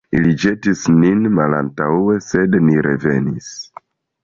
Ili ĵetis nin malantaŭe, sed ni revenis.